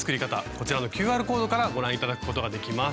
こちらのＱＲコードからご覧頂くことができます。